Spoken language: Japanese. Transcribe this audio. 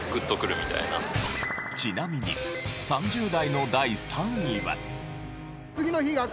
ちなみに３０代の第３位は。